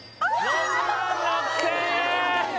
６万６０００円！